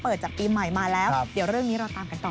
จากปีใหม่มาแล้วเดี๋ยวเรื่องนี้เราตามกันต่อ